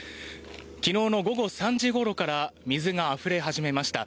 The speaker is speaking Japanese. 昨日の午後３時ごろから水があふれ始めました。